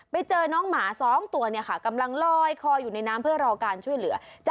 ไปเจอน้องหมา๒ตัวเนี่ยค่ะกำลังลอยคออยู่ในน้ำเพื่อรอการช่วยเหลือ